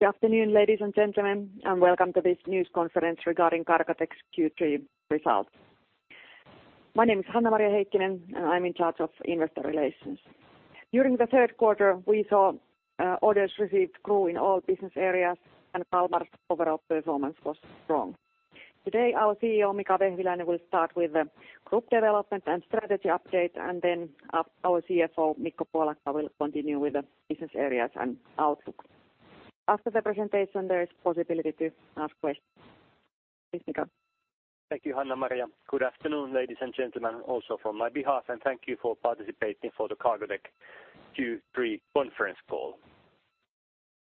Good afternoon, ladies and gentlemen. Welcome to this news conference regarding Cargotec's Q3 results. My name is Hanna-Maria Heikkinen, and I'm in charge of Investor Relations. During the third quarter, we saw orders received grew in all business areas, and Kalmar's overall performance was strong. Today, our CEO, Mika Vehviläinen, will start with the group development and strategy update. Then our CFO, Mikko Puolakka, will continue with the business areas and outlook. After the presentation, there is possibility to ask questions. Please, Mika. Thank you, Hanna-Maria. Good afternoon, ladies and gentlemen, also from my behalf. Thank you for participating for the Cargotec Q3 conference call.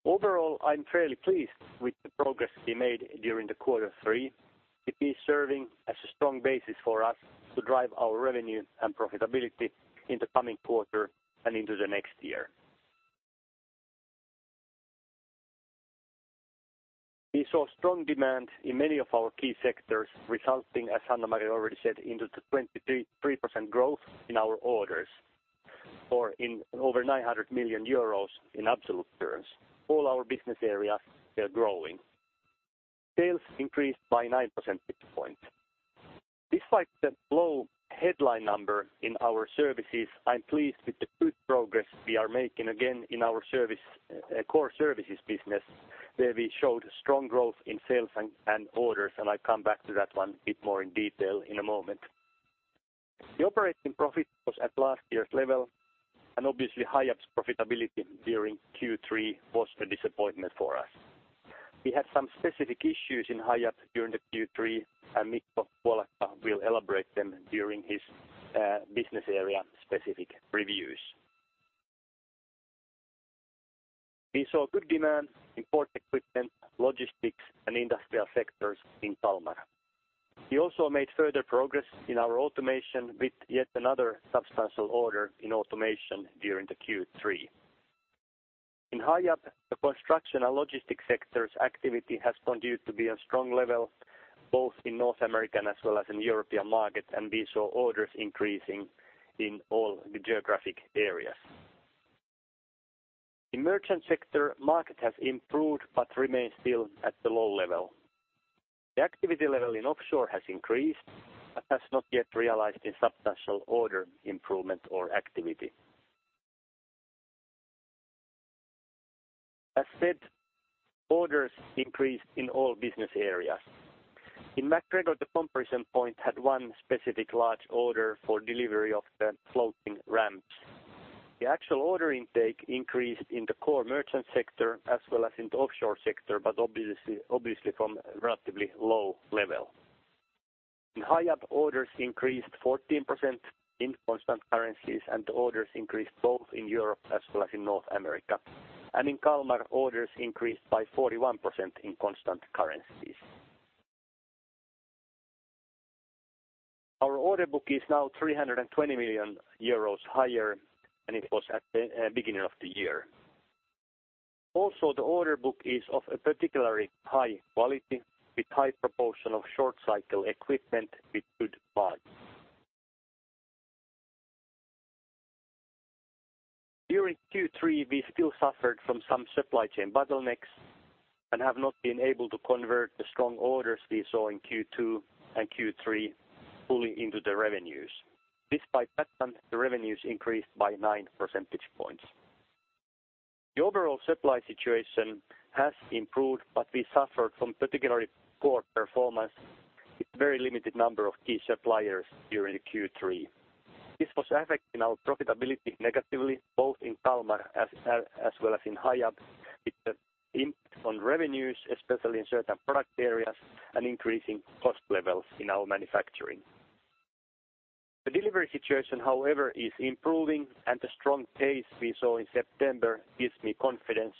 Overall, I'm fairly pleased with the progress we made during the quarter three. It is serving as a strong basis for us to drive our revenue and profitability in the coming quarter and into the next year. We saw strong demand in many of our key sectors, resulting, as Hanna-Maria already said, into the 23% growth in our orders or in over 900 million euros in absolute terms. All our business areas are growing. Sales increased by 9% data point. Despite the low headline number in our services, I'm pleased with the good progress we are making again in our service, core services business, where we showed strong growth in sales and orders. I come back to that one a bit more in detail in a moment. The operating profit was at last year's level. Obviously Hiab's profitability during Q3 was a disappointment for us. We had some specific issues in Hiab during the Q3. Mikko Puolakka will elaborate them during his business area-specific reviews. We saw good demand in port equipment, logistics, and industrial sectors in Kalmar. We also made further progress in our automation with yet another substantial order in automation during the Q3. In Hiab, the construction and logistics sectors activity has continued to be a strong level both in North American as well as in European markets. We saw orders increasing in all the geographic areas. In merchant sector, market has improved but remains still at the low level. The activity level in offshore has increased but has not yet realized a substantial order improvement or activity. As said, orders increased in all business areas. In MacGregor, the comparison point had one specific large order for delivery of the floating ramps. The actual order intake increased in the core merchant sector as well as in the offshore sector, but obviously from a relatively low level. In Hiab, orders increased 14% in constant currencies. The orders increased both in Europe as well as in North America. In Kalmar, orders increased by 41% in constant currencies. Our order book is now 320 million euros higher than it was at the beginning of the year. The order book is of a particularly high quality with high proportion of short-cycle equipment with good margins. During Q3, we still suffered from some supply chain bottlenecks and have not been able to convert the strong orders we saw in Q2 and Q3 fully into the revenues. Despite that, the revenues increased by 9 percentage points. The overall supply situation has improved, but we suffered from particularly poor performance with very limited number of key suppliers during Q3. This was affecting our profitability negatively, both in Kalmar as well as in Hiab, with the impact on revenues, especially in certain product areas, and increasing cost levels in our manufacturing. The delivery situation, however, is improving, and the strong pace we saw in September gives me confidence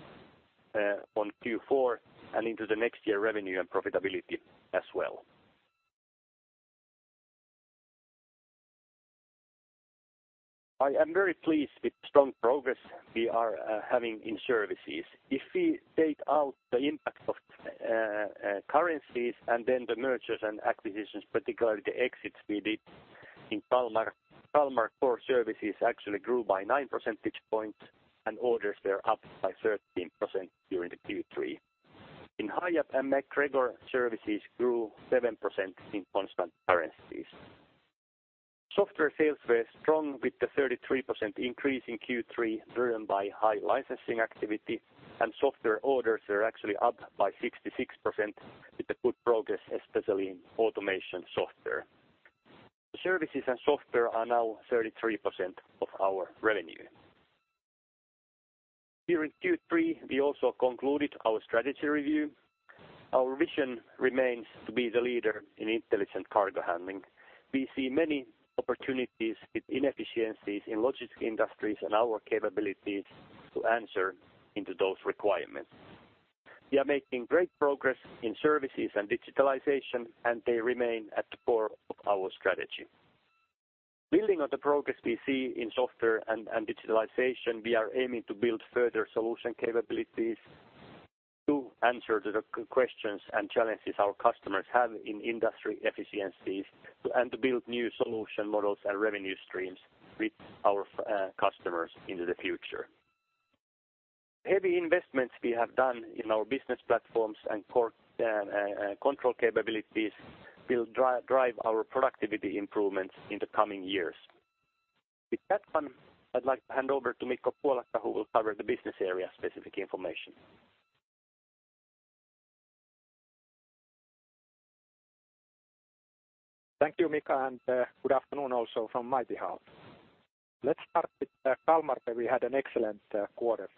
on Q4 and into the next year revenue and profitability as well. I am very pleased with the strong progress we are having in services. If we take out the impact of currencies and then the mergers and acquisitions, particularly the exits we did in Kalmar core services actually grew by 9 percentage points, and orders were up by 13% during the Q3. In Hiab and MacGregor, services grew 7% in constant currencies. Software sales were strong with a 33% increase in Q3 driven by high licensing activity, and software orders are actually up by 66% with a good progress, especially in automation software. The services and software are now 33% of our revenue. Here in Q3, we also concluded our strategy review. Our vision remains to be the leader in intelligent cargo handling. We see many opportunities with inefficiencies in logistics industries and our capabilities to answer into those requirements. We are making great progress in services and digitalization, and they remain at the core of our strategy. Building on the progress we see in software and digitalization, we are aiming to build further solution capabilities to answer the questions and challenges our customers have in industry efficiencies and to build new solution models and revenue streams with our customers into the future. Heavy investments we have done in our business platforms and core control capabilities will drive our productivity improvements in the coming years. With that one, I'd like to hand over to Mikko Puolakka, who will cover the business area specific information. Thank you, Mika. Good afternoon also from my behalf. Let's start with Kalmar, where we had an excellent quarter.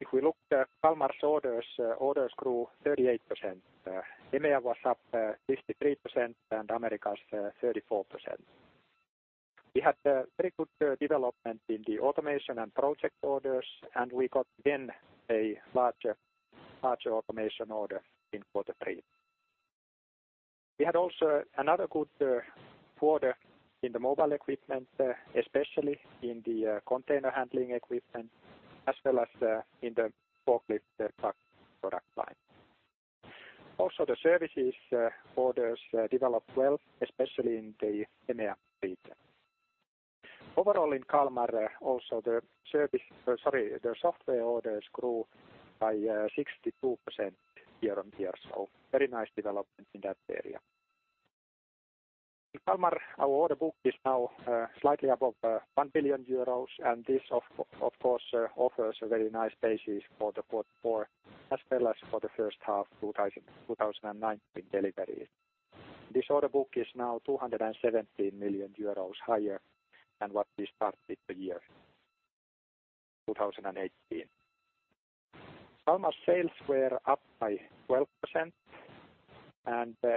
If we look at Kalmar's orders, orders grew 38%. EMEA was up 53% and Americas 34%. We had very good development in the automation and project orders, and we got again a larger automation order in quarter three. We had also another good quarter in the mobile equipment, especially in the container handling equipment as well as in the forklift truck product line. The services orders developed well, especially in the EMEA fleet. In Kalmar, also the software orders grew by 62% year-on-year. Very nice development in that area. In Kalmar, our order book is now slightly above 1 billion euros, this of course offers a very nice basis for the quarter four as well as for the first half 2019 deliveries. This order book is now 217 million euros higher than what we started the year 2018. Kalmar sales were up by 12%.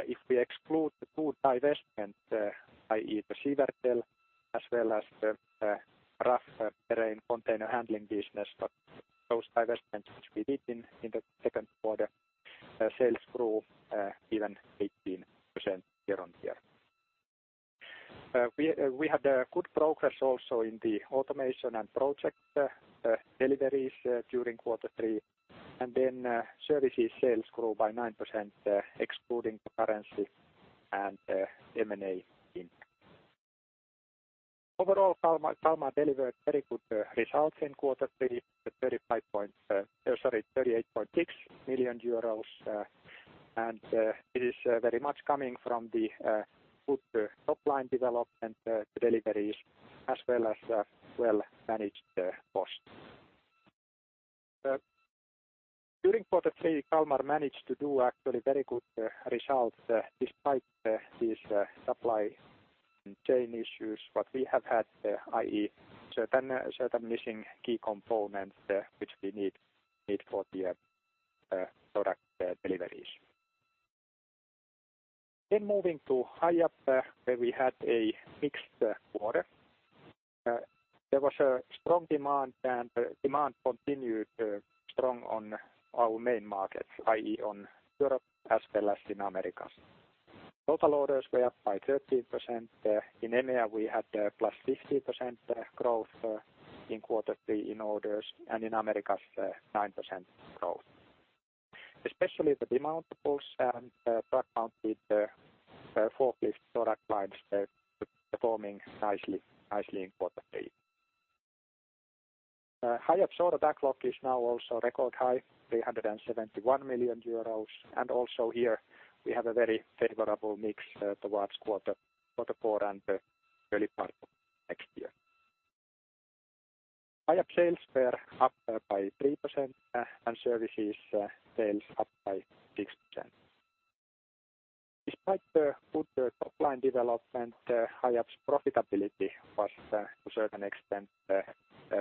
If we exclude the two divestments, i.e., the Siwertell as well as the rough terrain container handling business, but those divestments which we did in the second quarter, sales grew even 18% year-on-year. We had a good progress also in the automation and project deliveries during quarter three. Services sales grew by 9%, excluding the currency and M&A impact. Overall, Kalmar delivered very good results in quarter three, at 38.6 million euros. It is very much coming from the good top-line development, deliveries as well as well managed costs. During quarter three, Kalmar managed to do actually very good results despite these supply chain issues what we have had, i.e., certain missing key components which we need for the product deliveries. Moving to Hiab, where we had a mixed quarter. There was a strong demand, and demand continued strong on our main markets, i.e., on Europe as well as in Americas. Total orders were up by 13%. In EMEA, we had +50% growth in quarter three in orders, and in Americas, 9% growth. Especially the demountables and truck mounted forklift product lines performing nicely in quarter three. Hiab's order backlog is now also record high, 371 million euros. Also here we have a very favorable mix towards quarter four and the early part of next year. Hiab sales were up by 3%, and services sales up by 6%. Despite the good top-line development, Hiab's profitability was to a certain extent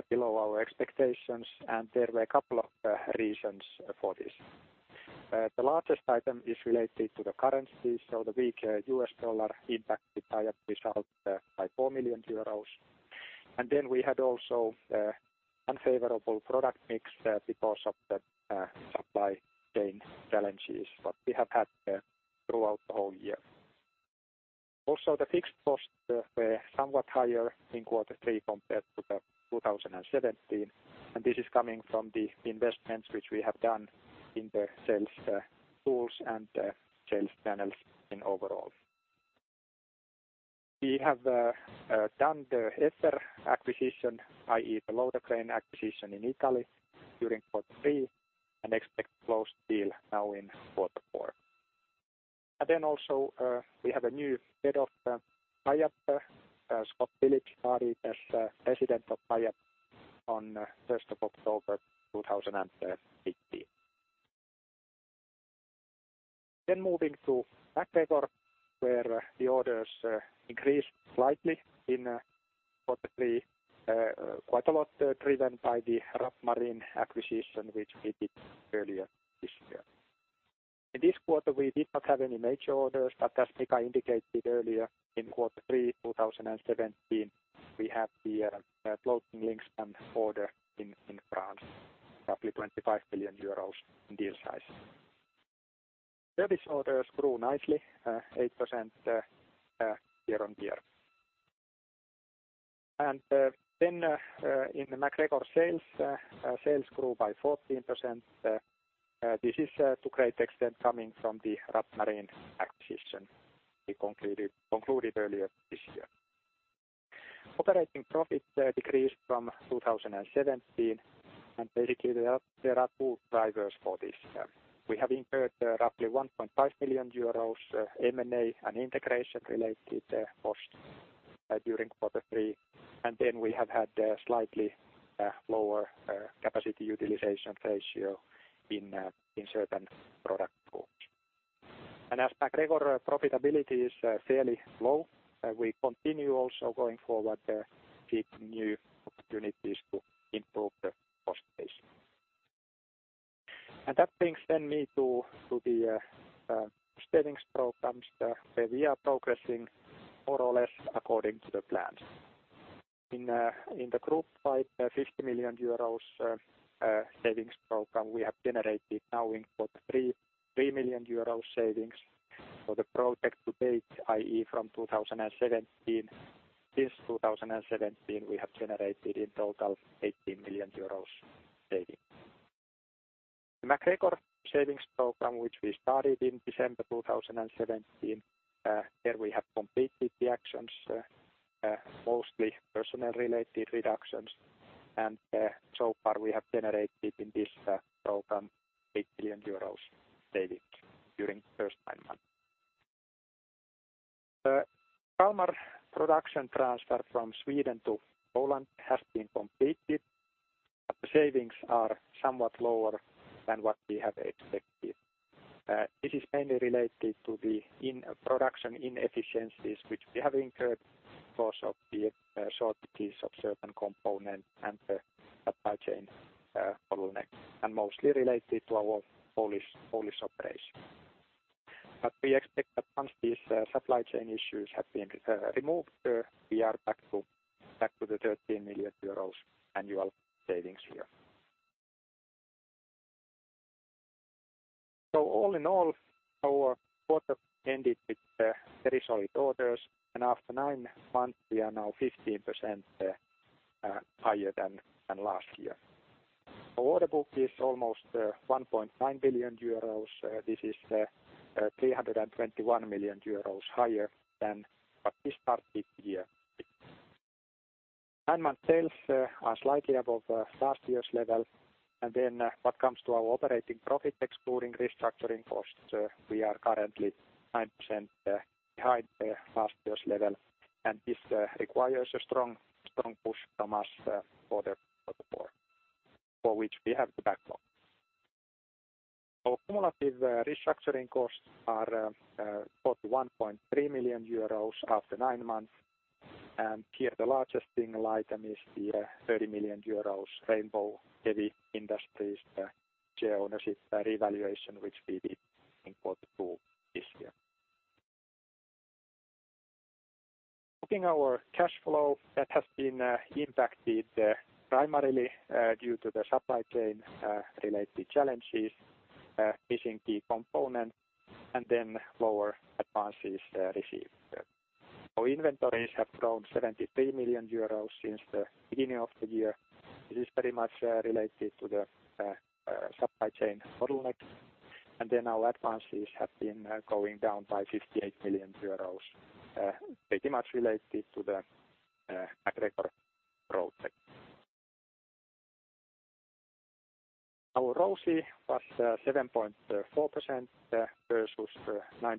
below our expectations, and there were a couple of reasons for this. The largest item is related to the currency, the weak U.S. dollar impacted Hiab result by 4 million euros. We had also unfavorable product mix because of the supply chain challenges what we have had throughout the whole year. Also, the fixed costs were somewhat higher in Q3 compared to 2017, and this is coming from the investments which we have done in the sales tools and sales channels in overall. We have done the Effer acquisition, i.e, the loader crane acquisition in Italy during Q3 and expect closed deal now in Q4. Also, we have a new head of Hiab. Scott Phillips started as President of Hiab on 1st of October, 2015. Moving to MacGregor, where the orders increased slightly in quarter three, quite a lot, driven by the Rapp Marine acquisition, which we did earlier this year. In this quarter, we did not have any major orders, but as Mika indicated earlier, in quarter three 2017, we have the floating linkspan order in France, roughly 25 million euros in deal size. Service orders grew nicely, 8% year-on-year. In the MacGregor sales grew by 14%. This is to a great extent coming from the Rapp Marine acquisition we concluded earlier this year. Operating profit decreased from 2017, basically there are two drivers for this. We have incurred roughly 1.5 million euros, M&A and integration related costs during quarter three. We have had slightly lower capacity utilization ratio in certain product groups. As MacGregor profitability is fairly low, we continue also going forward seeking new opportunities to improve the cost base. That brings me to the savings programs where we are progressing more or less according to the plans. In the group wide 50 million euros savings program, we have generated now in quarter three, 3 million euros savings for the project to date, i.e., from 2017. Since 2017, we have generated in total 18 million euros savings. MacGregor savings program, which we started in December 2017, there we have completed the actions, mostly personnel related reductions, and so far we have generated in this program 8 million euros savings during first nine months. The Kalmar production transfer from Sweden to Poland has been completed. The savings are somewhat lower than what we have expected. This is mainly related to the production inefficiencies which we have incurred because of the shortages of certain components and the supply chain bottleneck, and mostly related to our Polish operation. We expect that once these supply chain issues have been removed, we are back to the 13 million euros annual savings here. All in all, our quarter ended with very solid orders, and after nine months we are now 15% higher than last year. Our order book is almost 1.9 billion euros. This is 321 million euros higher than what we started the year with. Nine-month sales are slightly above last year's level. What comes to our operating profit, excluding restructuring costs, we are currently 9% behind last year's level. This requires a strong push from us for the Q4 for which we have the backbone. Our cumulative restructuring costs are 41.3 million euros after nine months. Here the largest single item is the 30 million euros Rainbow Heavy Industries share ownership revaluation which we did in Q2 this year. Looking our cash flow that has been impacted primarily due to the supply chain related challenges, missing key components, lower advances received. Our inventories have grown 73 million euros since the beginning of the year. This is pretty much related to the supply chain bottleneck. Our advances have been going down by 58 million euros, pretty much related to the MacGregor project. Our ROCE was 7.4% versus 9.6%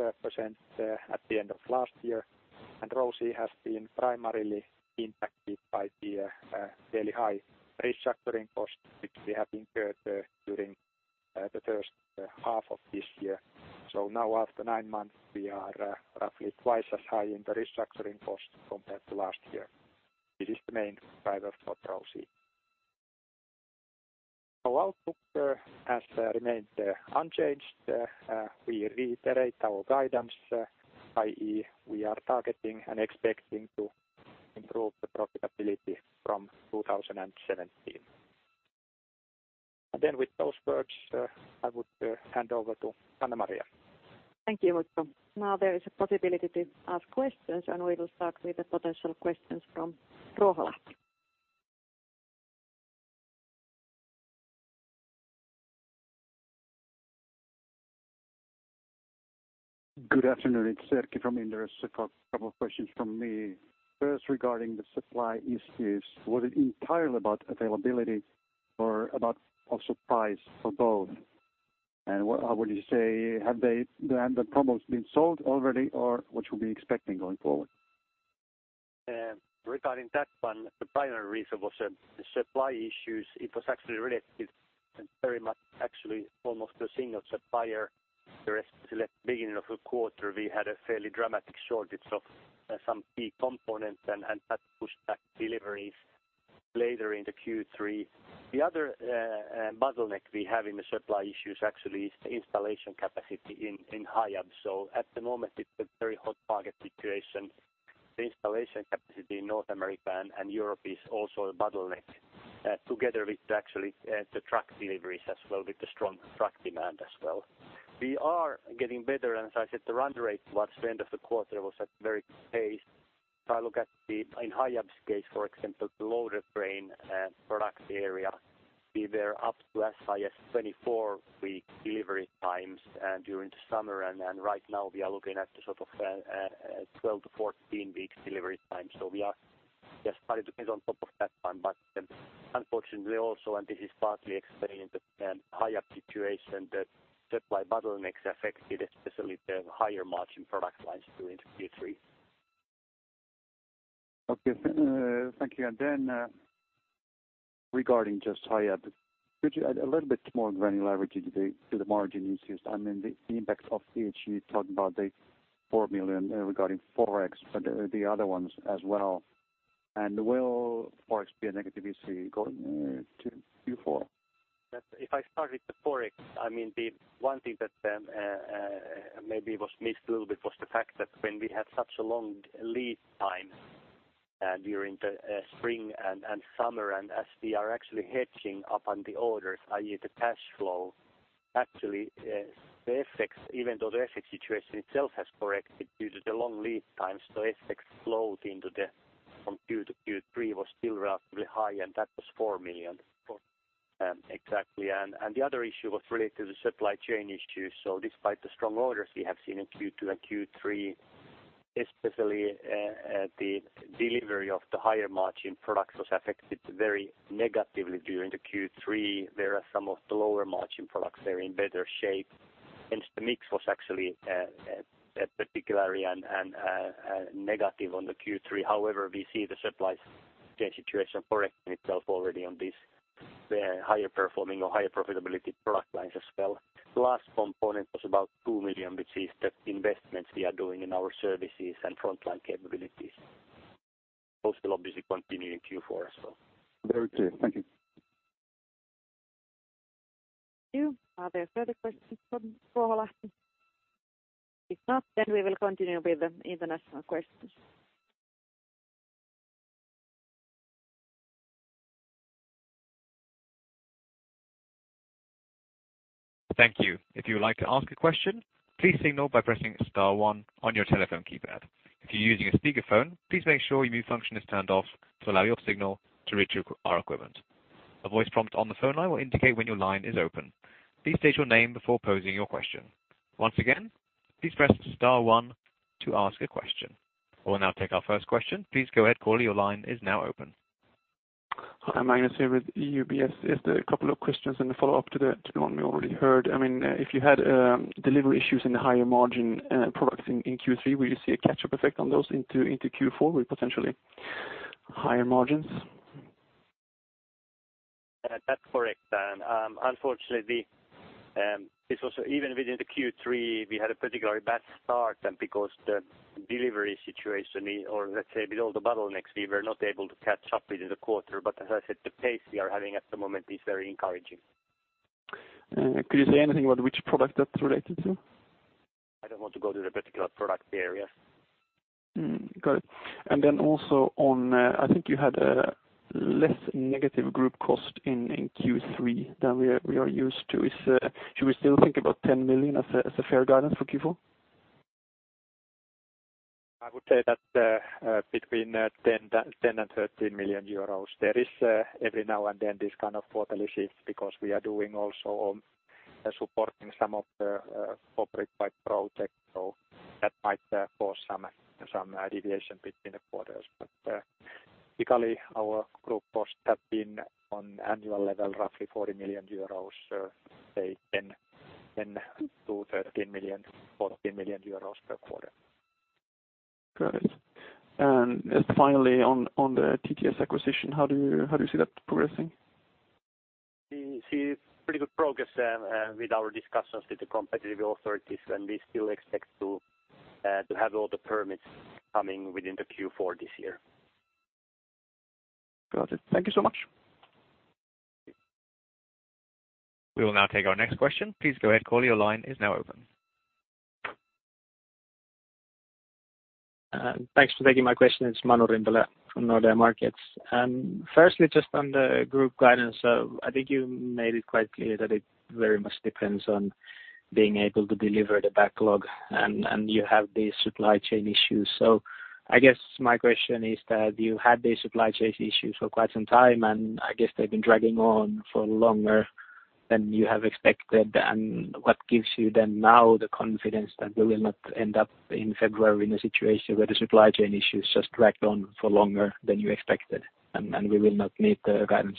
at the end of last year. ROCE has been primarily impacted by the fairly high restructuring costs which we have incurred during the first half of this year. Now after nine months we are roughly twice as high in the restructuring cost compared to last year. This is the main driver for ROCE. Our outlook has remained unchanged. We reiterate our guidance, i.e., we are targeting and expecting to improve the profitability from 2017. With those words, I would hand over to Hanna-Maria. Thank you, Mikko. Now there is a possibility to ask questions, and we will start with the potential questions from Ruoholahti. Good afternoon. It's Erkki from Inderes. A couple of questions from me. First, regarding the supply issues, was it entirely about availability or about also price for both? What would you say, have the problems been solved already or what should we be expecting going forward? Regarding that one, the primary reason was the supply issues. It was actually related very much actually almost a single supplier. Beginning of the quarter we had a fairly dramatic shortage of some key components and that pushed back deliveries later in the Q3. The other bottleneck we have in the supply issue is actually installation capacity in Hiab. At the moment it's a very hot market situation. The installation capacity in North America and Europe is also a bottleneck together with actually the truck deliveries as well, with the strong truck demand as well. We are getting better, and as I said, the run rate towards the end of the quarter was at very good pace. If I look at in Hiab's case, for example, the loader crane product area We were up to SIS 24-week delivery times, during the summer. Right now we are looking at sort of, 12-14 weeks delivery time. We are just starting to get on top of that one. Unfortunately also, and this is partly explained the higher situation that supply bottlenecks affected especially the higher margin product lines during Q3. Okay. Thank you. Then, regarding just Hiab, could you add a little bit more granularity to the, to the margin issues? I mean, the impact of PHU talking about the 4 million regarding Forex, but the other ones as well. Will Forex be a negativity going to Q4? If I started the Forex, I mean, the one thing that maybe was missed a little bit was the fact that when we have such a long lead time during the spring and summer, and as we are actually hedging upon the orders, i.e. the cash flow, actually, the FX, even though the FX situation itself has corrected due to the long lead time. FX flowed into from to Q3 was still relatively high, and that was 4 million. Exactly. The other issue was related to supply chain issues. Despite the strong orders we have seen in Q2 and Q3 especially, the delivery of the higher margin products was affected very negatively during the Q3, whereas some of the lower margin products are in better shape. The mix was actually particularly and negative on the Q3. However, we see the supply chain situation correcting itself already on these higher performing or higher profitability product lines as well. The last component was about 2 million, which is the investments we are doing in our services and frontline capabilities. Those will obviously continue in Q4 as well. Very clear. Thank you. Thank you. Are there further questions from Ruoholahti? If not, we will continue with the international questions. Thank you. If you would like to ask a question, please signal by pressing star one on your telephone keypad. If you're using a speakerphone, please make sure your mute function is turned off to allow your signal to reach our equipment. A voice prompt on the phone line will indicate when your line is open. Please state your name before posing your question. Once again, please press star one to ask a question. We'll now take our first question. Please go ahead, caller your line is now open. Hi, Magnus here with UBS. Just a couple of questions and a follow-up to the one we already heard. I mean, if you had delivery issues in the higher margin products in Q3, will you see a catch-up effect on those into Q4 with potentially higher margins? that's correct. Unfortunately, this was even within the Q3, we had a particularly bad start than because the delivery situation or let's say with all the bottlenecks, we were not able to catch up within the quarter. As I said, the pace we are having at the moment is very encouraging. Could you say anything about which product that's related to? I don't want to go to the particular product area. Got it. Also on, I think you had a less negative group cost in Q3 than we are used to. Should we still think about 10 million as a fair guidance for Q4? I would say that, between 10 million and 13 million euros, there is every now and then this kind of quarterly shift because we are doing also supporting some of the corporate by project. That might cause some deviation between the quarters. Typically our group costs have been on annual level, roughly 40 million euros, say 10 million-13 million, 14 million euros per quarter. Got it. finally on the TTS acquisition, how do you see that progressing? We see pretty good progress with our discussions with the competitive authorities, and we still expect to have all the permits coming within the Q4 this year. Got it. Thank you so much. We will now take our next question. Please go ahead caller, your line is now open. Thanks for taking my question. It's Manu Rimpelä from Nordea Markets. Firstly, just on the group guidance, I think you made it quite clear that it very much depends on being able to deliver the backlog and you have these supply chain issues. I guess my question is that you had these supply chain issues for quite some time, and I guess they've been dragging on for longer than you have expected. What gives you then now the confidence that we will not end up in February in a situation where the supply chain issues just dragged on for longer than you expected and we will not meet the guidance?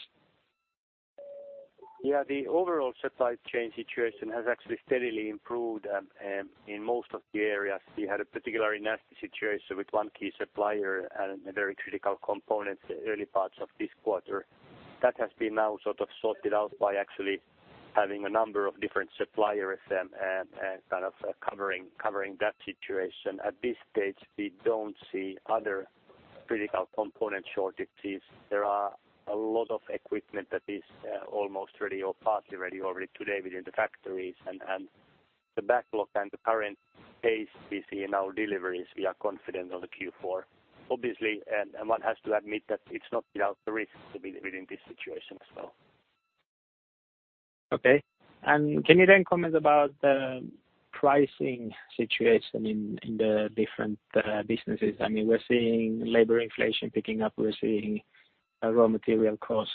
Yeah. The overall supply chain situation has actually steadily improved in most of the areas. We had a particularly nasty situation with one key supplier and a very critical component in the early parts of this quarter. That has been now sort of sorted out by actually having a number of different suppliers then and kind of covering that situation. At this stage, we don't see other critical component shortages. There are a lot of equipment that is almost ready or partly ready already today within the factories and the backlog and the current pace we see in our deliveries, we are confident on the Q4. Obviously, one has to admit that it's not without the risks to be within this situation as well. Okay. Can you then comment about the pricing situation in the different businesses? I mean, we're seeing labor inflation picking up, we're seeing raw material costs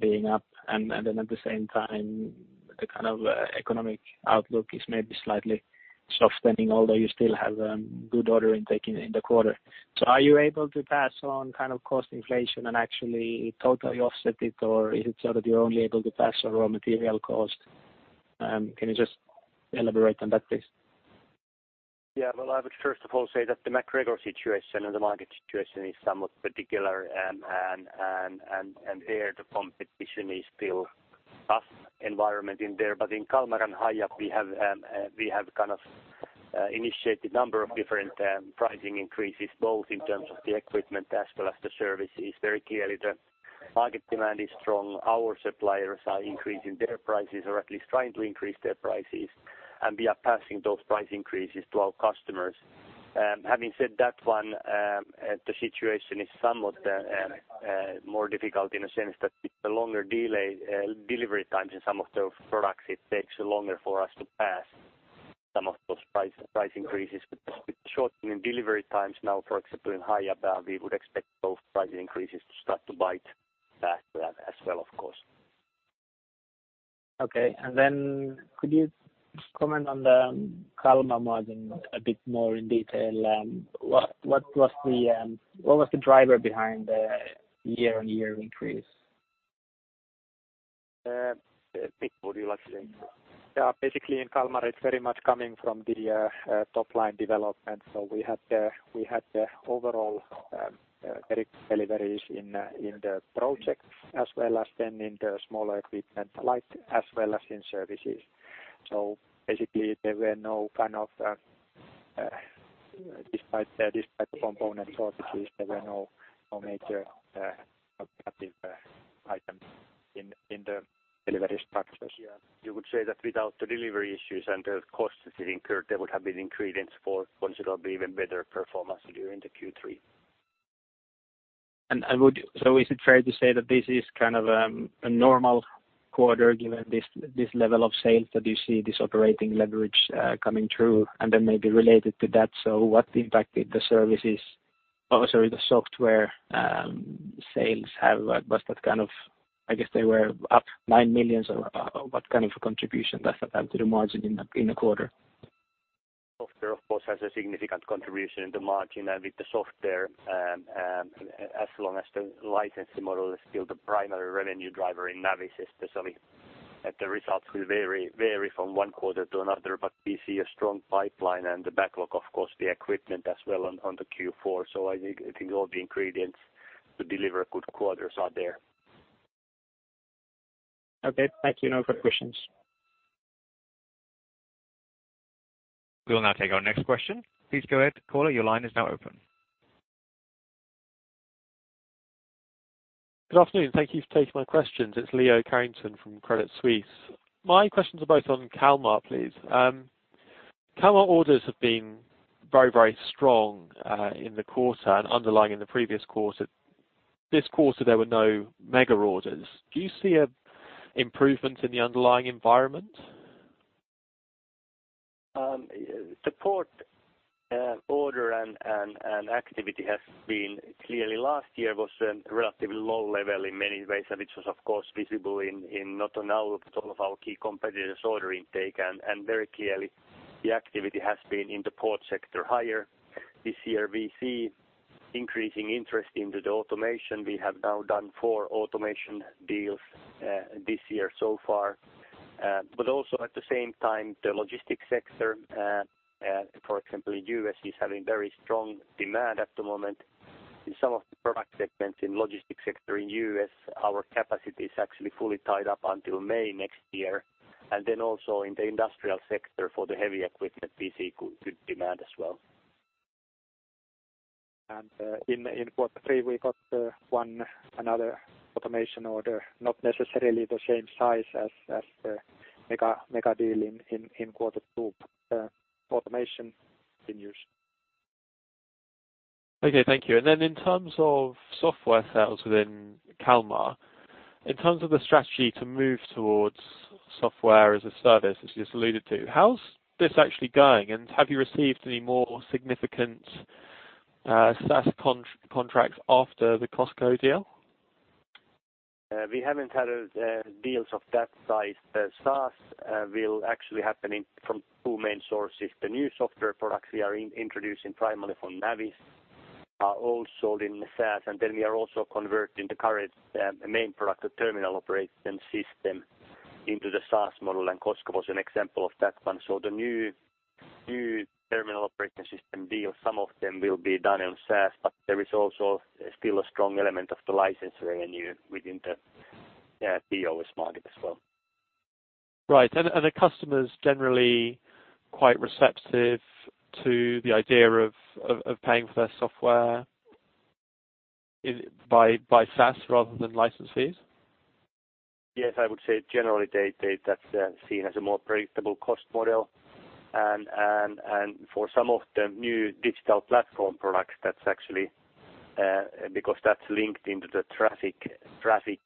being up, and then at the same time, the kind of economic outlook is maybe slightly soft spending, although you still have good order in taking in the quarter. So are you able to pass on kind of cost inflation and actually totally offset it? Or is it so that you're only able to pass on raw material costs? Can you just elaborate on that, please? Well, I would first of all say that the MacGregor situation and the market situation is somewhat particular and there the competition is still tough environment in there. In Kalmar and Hiab, we have kind of initiated number of different pricing increases, both in terms of the equipment as well as the services. Very clearly, the market demand is strong. Our suppliers are increasing their prices or at least trying to increase their prices, and we are passing those price increases to our customers. Having said that one, the situation is somewhat more difficult in a sense that with the longer delay, delivery times in some of the products, it takes longer for us to pass some of those price increases. With shortening delivery times now, for example in Hiab, we would expect those price increases to start to bite back there as well, of course. Could you comment on the Kalmar margin a bit more in detail? What was the driver behind the year-on-year increase? Mikko, would you like to take that? Basically, in Kalmar, it's very much coming from the top line development. We had the overall deliveries in the project as well as then in the smaller equipment light as well as in services. Basically, there were no kind of, despite the component shortages, there were no major negative items in the delivery structures. Yeah. You would say that without the delivery issues and the costs that incurred, there would have been ingredients for possibly even better performance during the Q3. Is it fair to say that this is kind of a normal quarter given this level of sales that you see this operating leverage coming through? Maybe related to that, what impact did the software sales have? I guess they were up 9 million. What kind of a contribution does that have to the margin in a quarter? Software, of course, has a significant contribution in the margin. With the software, as long as the licensing model is still the primary revenue driver in Navis especially, that the results will vary from one quarter to another. We see a strong pipeline and the backlog, of course, the equipment as well on the Q4. I think all the ingredients to deliver good quarters are there. Okay, thank you. No further questions. We will now take our next question. Please go ahead. Caller, your line is now open. Good afternoon. Thank you for taking my questions. It's Leo Carrington from Credit Suisse. My questions are both on Kalmar, please. Kalmar orders have been very, very strong, in the quarter and underlying in the previous quarter. This quarter there were no mega orders. Do you see a improvement in the underlying environment? Support, order and activity has been clearly last year was relatively low level in many ways, and it was of course visible in not only all of our key competitors' order intake and very clearly the activity has been in the port sector higher this year. We see increasing interest into the automation. We have now done four automation deals this year so far. Also at the same time, the logistics sector, for example in U.S., is having very strong demand at the moment. In some of the product segments in logistics sector in U.S., our capacity is actually fully tied up until May next year. Also in the industrial sector for the heavy equipment, we see good demand as well. In quarter three, we got one another automation order, not necessarily the same size as the mega deal in quarter two. Automation continues. Okay, thank you. In terms of software sales within Kalmar, in terms of the strategy to move towards software as a service, as you just alluded to, how's this actually going? Have you received any more significant SaaS contracts after the COSCO deal? We haven't had deals of that size. The SaaS will actually happen in from two main sources. The new software products we are introducing primarily from Navis are all sold in the SaaS. We are also converting the current main product, the terminal operating system into the SaaS model, and COSCO was an example of that one. The new terminal operating system deals, some of them will be done in SaaS, but there is also still a strong element of the licensing revenue within the TOS market as well. Right. Are customers generally quite receptive to the idea of paying for their software is by SaaS rather than license fees? I would say generally they that's seen as a more predictable cost model. And for some of the new digital platform products, that's actually because that's linked into the traffic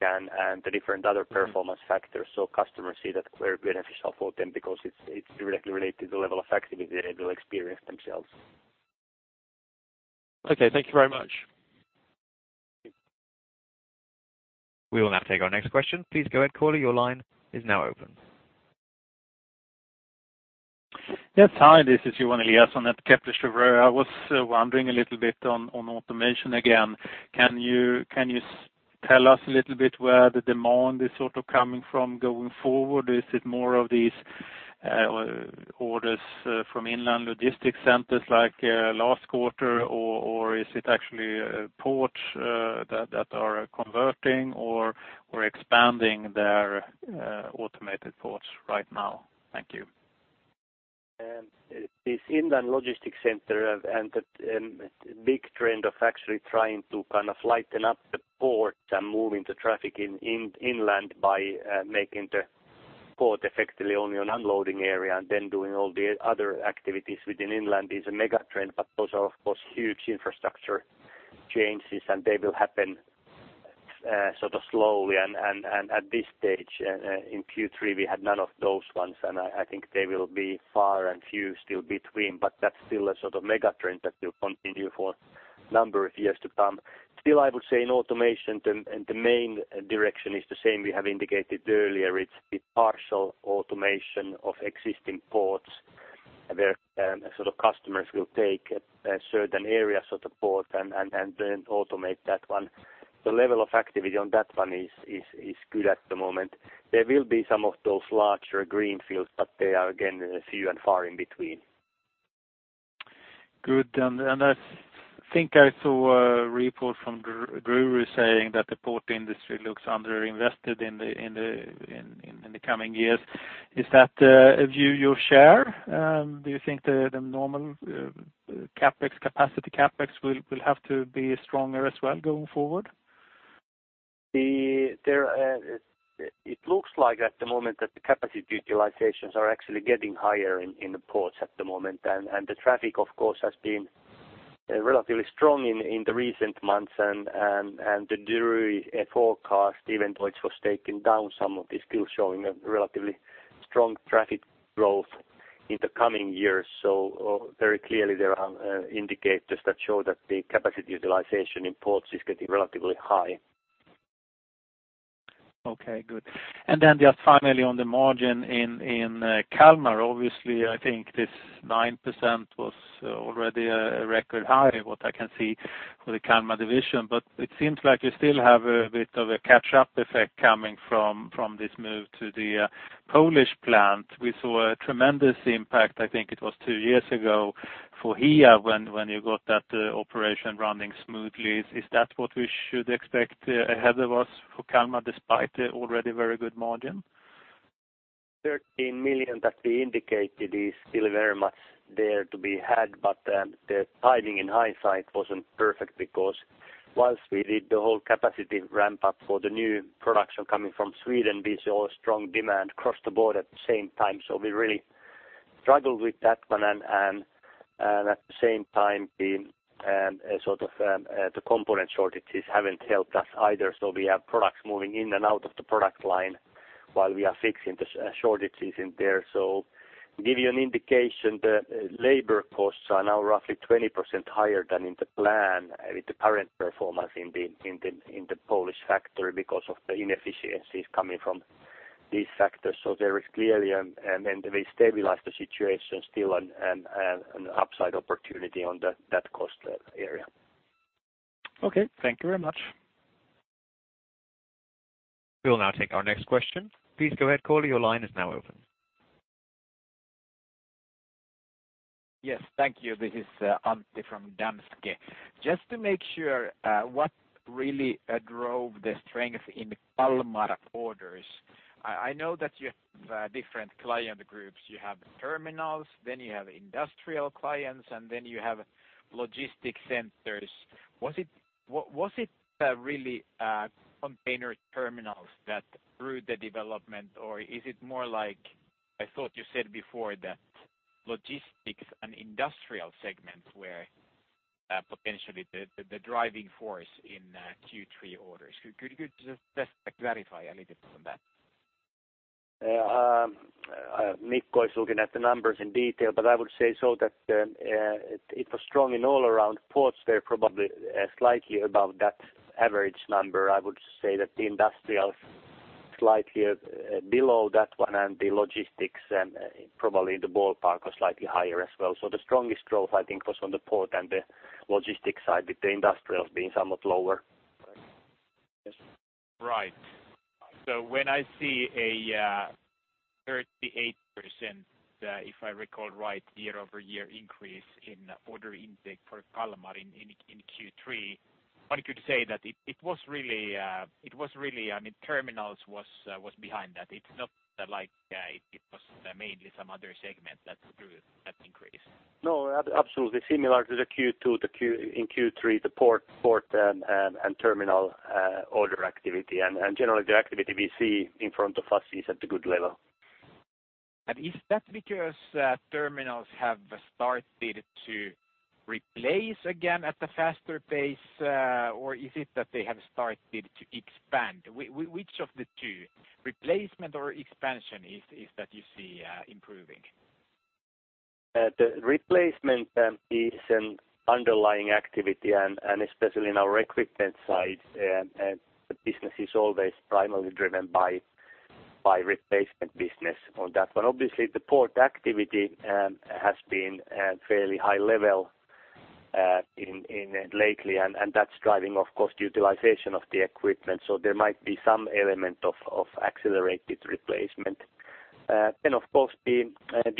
and the different other performance factors. Customers see that very beneficial for them because it's directly related to the level of activity they will experience themselves. Okay, thank you very much. We will now take our next question. Please go ahead caller, your line is now open. Yes. Hi, this is Johan Eliason at Kepler Cheuvreux. I was wondering a little bit on automation again. Can you tell us a little bit where the demand is sort of coming from going forward? Is it more of these orders from inland logistics centers like last quarter or is it actually ports that are converting or expanding their automated ports right now? Thank you. This inland logistics center and the big trend of actually trying to kind of lighten up the ports and moving the traffic in inland by making the port effectively only an unloading area and then doing all the other activities within inland is a mega trend. Those are of course, huge infrastructure changes, and they will happen sort of slowly. At this stage, in Q3, we had none of those ones, and I think they will be far and few still between, but that's still a sort of mega trend that will continue for number of years to come. I would say in automation then, and the main direction is the same we have indicated earlier. It's the partial automation of existing ports where, sort of customers will take, certain areas of the port and then automate that one. The level of activity on that one is good at the moment. There will be some of those larger greenfields, but they are again, few and far in between. Good. I think I saw a report from Drewry saying that the port industry looks under invested in the coming years. Is that a view you share? Do you think the normal CapEx capacity, CapEx will have to be stronger as well going forward? It looks like at the moment that the capacity utilizations are actually getting higher in the ports at the moment. The traffic of course, has been relatively strong in the recent months and the Drewry forecast, even though it was taken down some of this, still showing a relatively strong traffic growth in the coming years. Very clearly there are indicators that show that the capacity utilization in ports is getting relatively high. Okay, good. Just finally on the margin in Kalmar, obviously, I think this 9% was already a record high, what I can see for the Kalmar division, but it seems like you still have a bit of a catch up effect coming from this move to the Polish plant. We saw a tremendous impact, I think it was two years ago for here when you got that operation running smoothly. Is that what we should expect ahead of us for Kalmar, despite the already very good margin? 13 million that we indicated is still very much there to be had. The timing in hindsight wasn't perfect because while we did the whole capacity ramp up for the new production coming from Sweden, we saw a strong demand across the board at the same time. We really struggled with that one. At the same time, the sort of the component shortages haven't helped us either. We have products moving in and out of the product line while we are fixing the shortages in there. Give you an indication, the labor costs are now roughly 20% higher than in the plan with the current performance in the Polish factory because of the inefficiencies coming from these factors. There is clearly, and then we stabilize the situation still and an upside opportunity on that cost area. Okay. Thank you very much. We'll now take our next question. Please go ahead caller, your line is now open. Yes. Thank you. This is Antti from Danske. Just to make sure, what really drove the strength in Kalmar orders. I know that you have different client groups. You have terminals, then you have industrial clients, and then you have logistics centers. Was it really container terminals that grew the development, or is it more like I thought you said before that logistics and industrial segments were potentially the driving force in Q3 orders. Could you just clarify a little bit on that? Mikko is looking at the numbers in detail, but I would say so that it was strong in all around ports. They're probably slightly above that average number. I would say that the industrials slightly below that one and the logistics and probably the ballpark was slightly higher as well. The strongest growth I think was on the port and the logistics side, with the industrials being somewhat lower. Right. When I see a 38% if I recall right, year-over-year increase in order intake for Kalmar in Q3, one could say that it was really, I mean terminals was behind that. It's not like, it was mainly some other segment that grew that increase. No, absolutely. Similar to the Q2, in Q3, the port and terminal order activity and generally the activity we see in front of us is at a good level. Is that because terminals have started to replace again at a faster pace, or is it that they have started to expand? Which of the two, replacement or expansion is that you see improving? The replacement is an underlying activity and especially in our equipment side. The business is always primarily driven by replacement business on that one. Obviously, the port activity has been fairly high level in lately, and that's driving, of course, utilization of the equipment. There might be some element of accelerated replacement. Of course the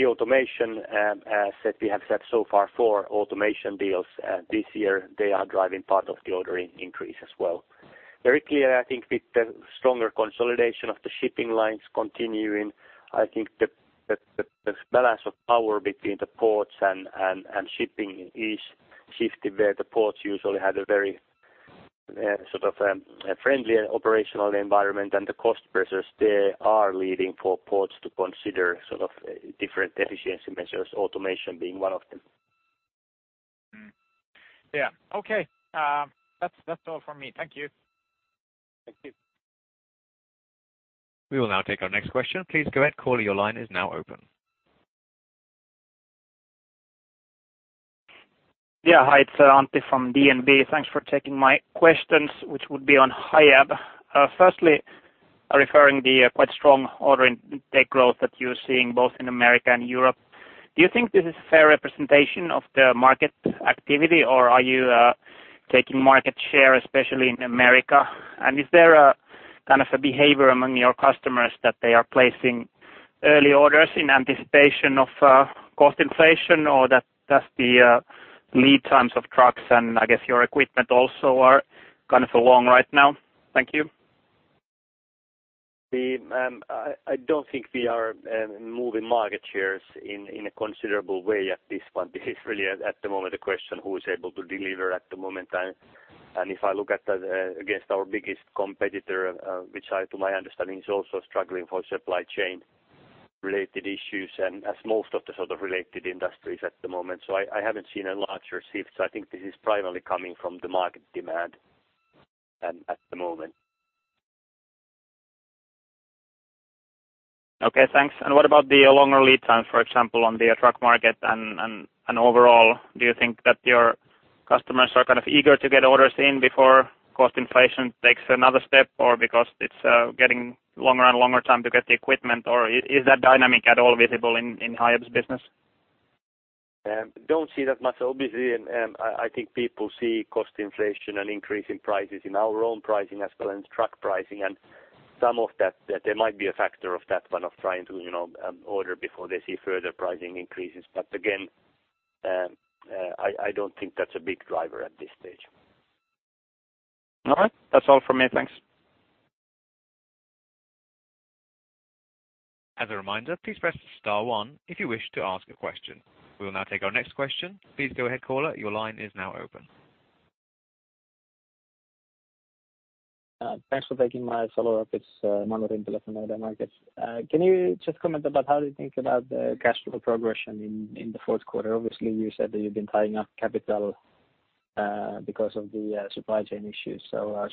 automation as that we have set so far for automation deals this year, they are driving part of the ordering increase as well. Very clear, I think with the stronger consolidation of the shipping lines continuing, I think the balance of power between the ports and shipping is shifting where the ports usually had a very, sort of, a friendlier operational environment and the cost pressures there are leading for ports to consider sort of different efficiency measures, automation being one of them. Yeah. Okay. That's all from me. Thank you. Thank you. We will now take our next question. Please go ahead. Caller, your line is now open. Yeah, hi, it's Antti from DNB. Thanks for taking my questions, which would be on Hiab. Firstly, referring the quite strong order intake growth that you're seeing both in America and Europe. Do you think this is a fair representation of the market activity, or are you taking market share, especially in America? Is there a kind of a behavior among your customers that they are placing early orders in anticipation of cost inflation or that's the lead times of trucks, and I guess your equipment also are kind of long right now? Thank you. I don't think we are moving market shares in a considerable way at this point. This is really at the moment a question who is able to deliver at the moment. If I look at that against our biggest competitor, which I to my understanding is also struggling for supply chain related issues and as most of the sort of related industries at the moment. I haven't seen a larger shift. I think this is primarily coming from the market demand at the moment. Okay, thanks. What about the longer lead time, for example, on the truck market and overall, do you think that your customers are kind of eager to get orders in before cost inflation takes another step, or because it's getting longer and longer time to get the equipment, or is that dynamic at all visible in Hiab's business? Don't see that much, obviously. I think people see cost inflation and increase in prices in our own pricing as well as truck pricing. Some of that there might be a factor of that one of trying to, you know, order before they see further pricing increases. Again, I don't think that's a big driver at this stage. All right. That's all from me. Thanks. As a reminder, please press star one if you wish to ask a question. We will now take our next question. Please go ahead, caller. Your line is now open. Thanks for taking my follow-up. It's Manu Rimpelä from Nordea Markets. Can you just comment about how do you think about the cash flow progression in the fourth quarter? Obviously, you said that you've been tying up capital because of the supply chain issues.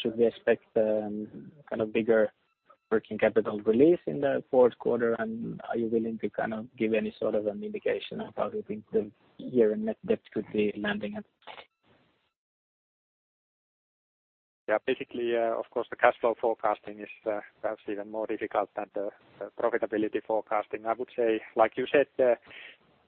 Should we expect kind of bigger working capital release in the fourth quarter? Are you willing to kind of give any sort of an indication of how you think the year-end net debt could be landing at? Basically, of course, the cash flow forecasting is perhaps even more difficult than the profitability forecasting. I would say, like you said,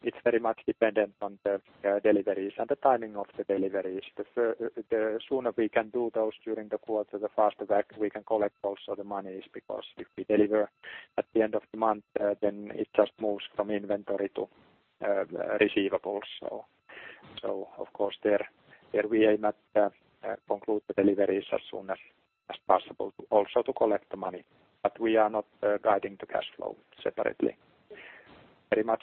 it's very much dependent on the deliveries and the timing of the deliveries. The sooner we can do those during the quarter, the faster that we can collect also the monies, because if we deliver at the end of the month, then it just moves from inventory to receivables. Of course, there we aim at conclude the deliveries as soon as possible to also to collect the money. We are not guiding the cash flow separately. Very much,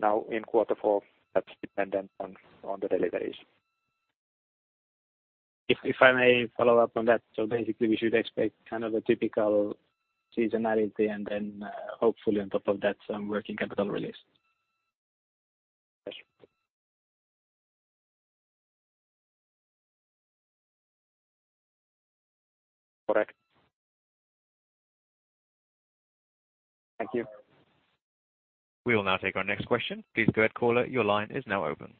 now in quarter four, that's dependent on the deliveries. If I may follow up on that? Basically, we should expect kind of a typical seasonality and then, hopefully on top of that, some working capital release. Yes. Correct. Thank you. We will now take our next question. Please go ahead, caller. Your line is now open.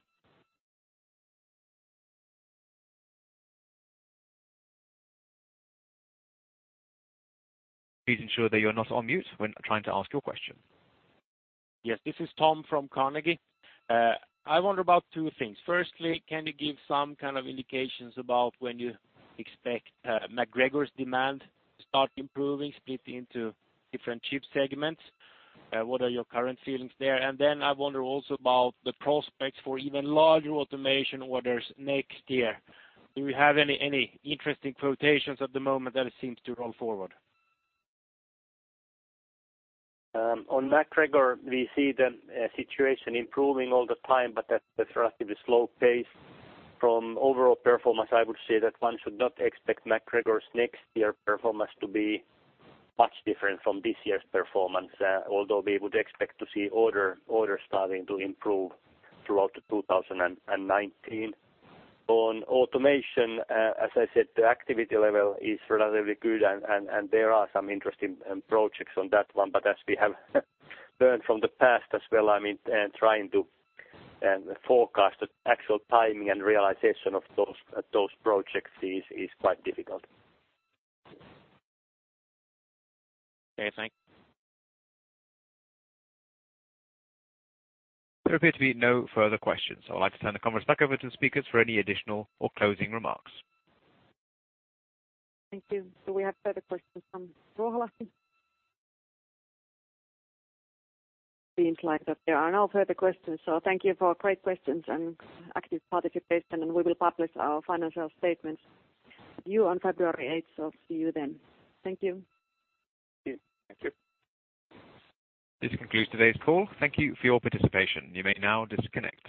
Please ensure that you're not on mute when trying to ask your question. Yes, this is Tom from Carnegie. I wonder about two things. Firstly, can you give some kind of indications about when you expect MacGregor's demand to start improving, split into different chip segments? What are your current feelings there? Then I wonder also about the prospects for even larger automation orders next year. Do you have any interesting quotations at the moment that it seems to roll forward? On MacGregor, we see the situation improving all the time, but at a relatively slow pace. From overall performance, I would say that one should not expect MacGregor's next year performance to be much different from this year's performance, although we would expect to see order starting to improve throughout 2019. On automation, as I said, the activity level is relatively good and there are some interesting projects on that one. As we have learned from the past as well, I mean, trying to forecast the actual timing and realization of those projects is quite difficult. Okay, thanks. There appear to be no further questions. I would like to turn the conference back over to the speakers for any additional or closing remarks. Thank you. Do we have further questions from Ruoholahti? Seems like that there are no further questions. Thank you for great questions and active participation. We will publish our financial statements due on February 8th. See you then. Thank you. Thank you. Thank you. This concludes today's call. Thank you for your participation. You may now disconnect.